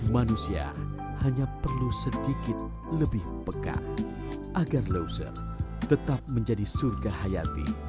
manusia hanya perlu sedikit lebih pekat agar leuser tetap menjadi surga hayati